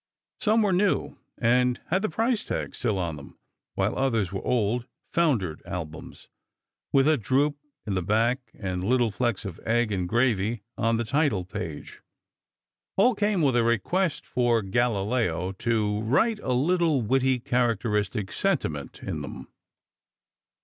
Some were new and had the price mark still on them, while others were old, foundered albums, with a droop in the back and little flecks of egg and gravy on the title page. All came with a request for Galileo "to write a little, witty, characteristic sentiment in them."